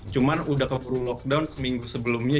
cuman udah keburu lockdown seminggu sebelumnya